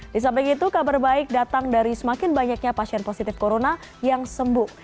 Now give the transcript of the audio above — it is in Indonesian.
di samping itu kabar baik datang dari semakin banyaknya pasien positif corona yang sembuh